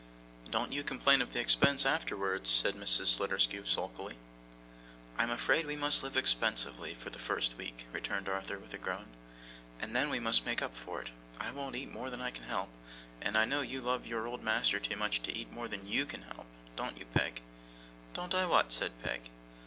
'Don't you complain of the expense afterwards,' said Mrs. Sliderskew, sulkily. 'I am afraid we must live expensively for the first week,' returned Arthur, with a groan, 'and then we must make up for it. I won't eat more than I can help, and I know you love your old master too much to eat more than YOU can help, don't you, Peg?' 'Don't I what?' said Peg.